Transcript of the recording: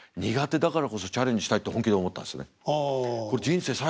苦手だからこそチャレンジしたい」って本気で思ったんですね。